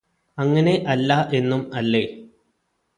അങ്ങനെ അല്ല എന്നും അല്ലേ